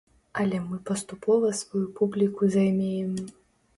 Але мы паступова сваю публіку займеем.